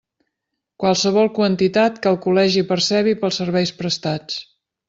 Qualsevol quantitat que el Col·legi percebi pels serveis prestats.